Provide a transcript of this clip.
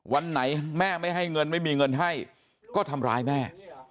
วันไหนแม่ไม่ให้เงินไม่มีเงินให้ก็ทำร้ายแม่